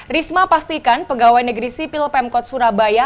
risma pastikan pegawai negeri sipil pemkot surabaya